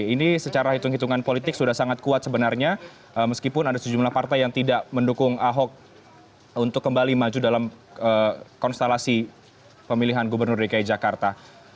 ini secara hitung hitungan politik sudah sangat kuat sebenarnya meskipun ada sejumlah partai yang tidak mendukung ahok untuk kembali maju dalam konstelasi pemilihan gubernur dki jakarta